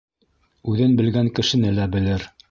Үҙен белгән кешене лә белер.